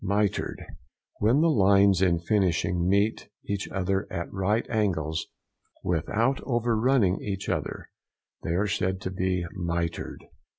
MITRED.—When the lines in finishing meet each other at right angles without overrunning each other, they are said to be mitred.